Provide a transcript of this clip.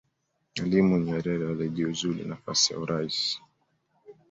mwalimu nyerere alijiuzulu nafasi ya uraisi